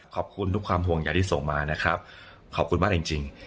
ขอบคุณทุกความห่วงใหญ่ที่ส่งมานะครับขอบคุณมากจริง